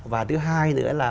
và thứ hai nữa là